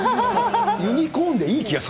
ユニコーンでいい気がするよ